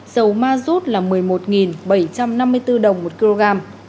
dầu ma rút là một mươi một bảy trăm năm mươi bốn đồng một kg